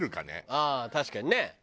ああ確かにね。